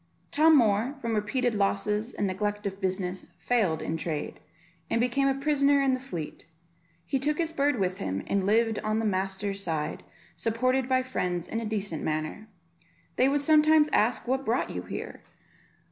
Tom Moor, from repeated losses and neglect of business, failed in trade, and became a prisoner in the Fleet; he took his bird with him, and lived on the master's side, supported by friends, in a decent manner. They would sometimes ask what brought you here?